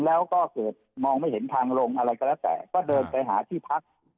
แล้วก็เกิดมองไม่เห็นทางลงอะไรก็แล้วแต่ก็เดินไปหาที่พัก